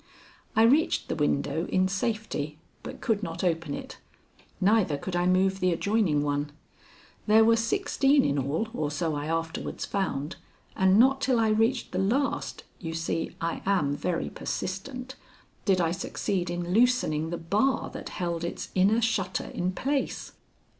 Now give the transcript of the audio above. I reached the window in safety, but could not open it; neither could I move the adjoining one. There were sixteen in all, or so I afterwards found, and not till I reached the last (you see, I am very persistent) did I succeed in loosening the bar that held its inner shutter in place.